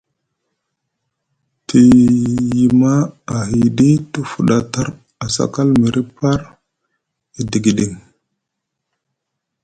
Te yima ahiɗi te fuɗa tar sakal mrini par e digiɗiŋ.